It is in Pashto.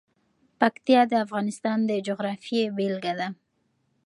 پکتیا د افغانستان د جغرافیې بېلګه ده.